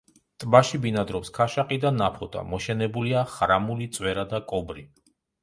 ტბაში ბინადრობს ქაშაყი და ნაფოტა; მოშენებულია ხრამული, წვერა და კობრი.